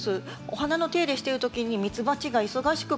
お花の手入れしてる時にミツバチが忙しく